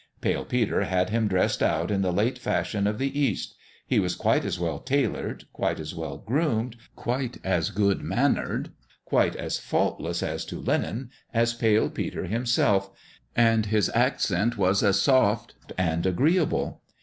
Pale Peter had him dressed out in the late fashion of the East ; he was quite as well tailored, quite as well groomed, quite as good mannered, quite as i}6 PALE PETER'S DONALD faultless as to linen, as Pale Peter himself, and his accent was as soft and agreeable.